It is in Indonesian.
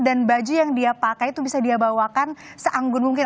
baju yang dia pakai itu bisa dia bawakan seanggun mungkin